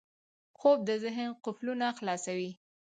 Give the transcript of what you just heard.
خوب د ذهن قفلونه خلاصوي